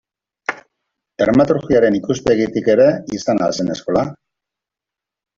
Dramaturgiaren ikuspegitik ere izan al zen eskola?